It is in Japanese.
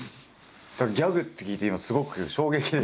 だからギャグって聞いて今すごく衝撃です。